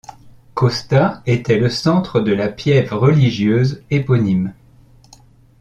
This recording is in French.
Costa était le centre de la piève religieuse éponyme.